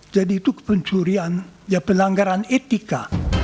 jadi itu kepencurian ya pelanggaran etika